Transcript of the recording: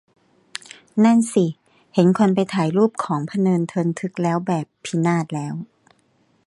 นั่นสิ เห็นคนไปถ่ายรูปของพะเนินเทินทึกแล้วแบบ พินาศแล้ว